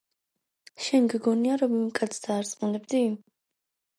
შენ გეგონა, რომ იმ კაცს დაარწმუნებდი?!